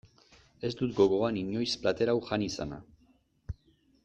Ez dut gogoan inoiz plater hau jan izana.